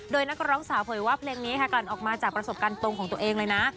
โดยนักร้องสาวเผยว่าเพลงนี้ค่ะกลั่นออกมาจากประสบการณ์ตรงของตัวเองเลยนะ